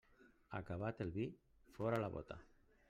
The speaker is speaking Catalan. Acabat el vi, fora la bóta.